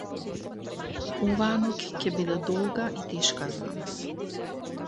Оваа ноќ ке биде, долга и тешка за нас